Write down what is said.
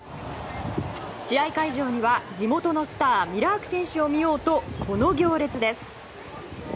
試合会場には地元のスターミラーク選手を見ようとこの行列です。